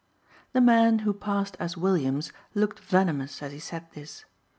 The man who passed as Williams looked venomous as he said this.